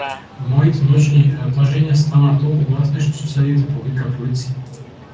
Моите ноќни тажења станаа толку гласни што соседите повикаа полиција.